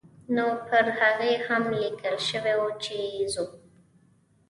نو پر هغې هم لیکل شوي وو چې ځو.